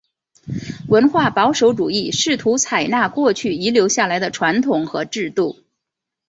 文化保守主义试图采纳过去遗留下来的传统和制度。